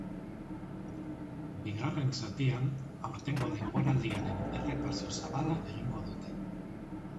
Bigarren zatian, aurtengo denboraldiaren errepaso zabala egingo dute.